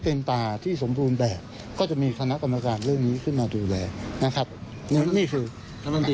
เพราะว่าจะสร้างแล้วไม่ได้อยู่แล้วท่าน